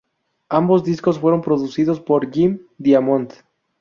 Ambos discos fueron producidos por Jim Diamond.